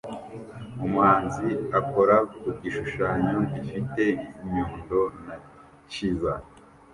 Umuhanzi akora ku gishushanyo gifite inyundo na chisel